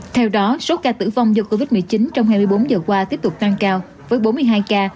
theo đó số ca tử vong do covid một mươi chín trong hai mươi bốn giờ qua tiếp tục tăng cao với bốn mươi hai ca